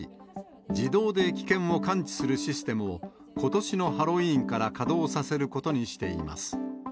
自動で危険を感知するシステムをことしのハロウィーンから稼働させることにしています。